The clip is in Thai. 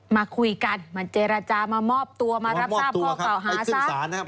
มาคุยกันมาเจรจามามอบตัวมารับทราบข้อเก่าหาซะ